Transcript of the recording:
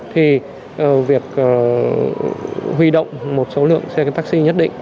thì việc huy động một số lượng xe taxi nhất định